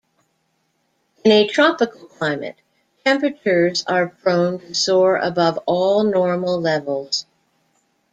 In a tropical climate, temperatures are prone to soar above all normal levels.